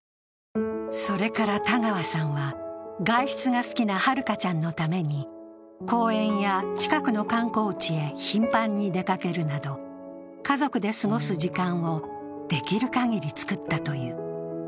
それから田川さんは外出が好きなはるかちゃんのために公園や近くの観光地へ頻繁に出かけるなど、家族で過ごす時間をできるかぎりつくったという。